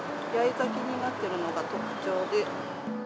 咲きになってるのが特徴で。